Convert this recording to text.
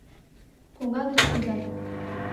Коҥга гыч вигак.